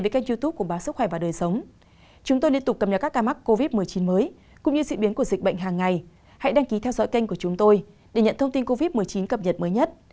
các bạn hãy đăng ký kênh của chúng tôi để nhận thông tin cập nhật mới nhất